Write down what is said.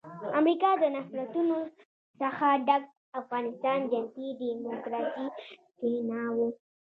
امریکا د نفرتونو څخه ډک افغانستان جنتي ډیموکراسي کښېناوه.